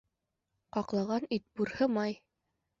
Ҡаҡлаған ит бурһымай